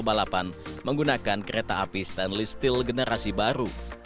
balapan menggunakan kereta api stainless steel generasi baru